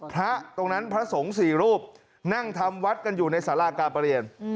พระตรงนั้นพระสงฆ์สี่รูปนั่งทำวัดกันอยู่ในสารากาประเรียน